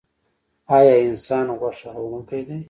ایا انسان غوښه خوړونکی دی؟